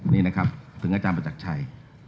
นี่นะครับถึงอาจารย์ประจักรชัย